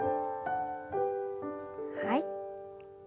はい。